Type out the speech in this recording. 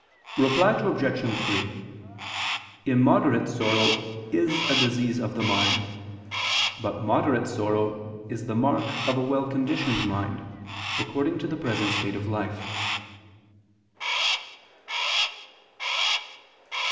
Reply Obj. 3: Immoderate sorrow is a disease of the mind: but moderate sorrow is the mark of a well conditioned mind, according to the present state of life.